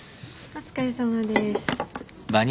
お疲れさまです。